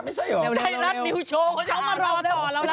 ไม่ใช่เหรอได้รับนิวโชคเขามารอต่อ